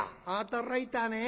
驚いたね。